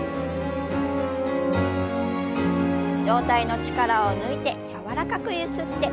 上体の力を抜いて柔らかくゆすって。